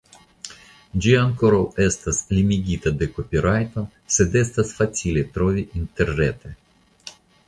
Ĝi ankoraŭ estas limigita de kopirajto sed estas facile trovi interrete.